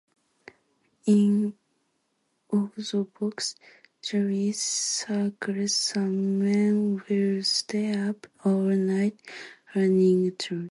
In Orthodox Jewish circles, some men will stay up all night learning Torah.